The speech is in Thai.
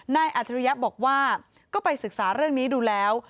นายอัธิรยัพย์บอกว่าก็ไปศึกษาเรื่องนี้ดูแล้ว